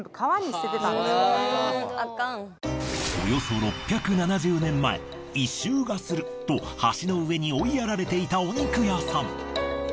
およそ６７０年前異臭がすると橋の上に追いやられていたお肉屋さん。